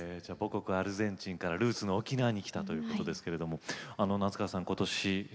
母国アルゼンチンからルーツの沖縄に来たということですが夏川さん、ことし